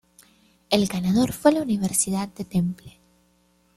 El ganador fue la Universidad de Temple.